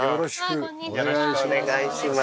よろしくお願いします。